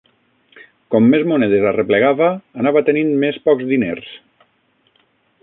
Com més monedes arreplegava, anava tenint més pocs diners.